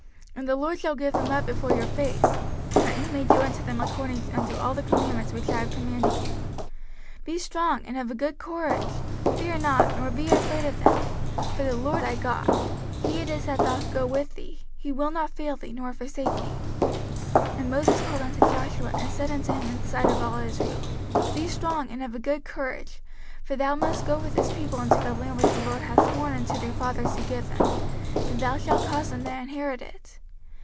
05:031:005 And the LORD shall give them up before your face, that ye may do unto them according unto all the commandments which I have commanded you. 05:031:006 Be strong and of a good courage, fear not, nor be afraid of them: for the LORD thy God, he it is that doth go with thee; he will not fail thee, nor forsake thee. 05:031:007 And Moses called unto Joshua, and said unto him in the sight of all Israel, Be strong and of a good courage: for thou must go with this people unto the land which the LORD hath sworn unto their fathers to give them; and thou shalt cause them to inherit it.